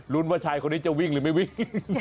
ว่าชายคนนี้จะวิ่งหรือไม่วิ่ง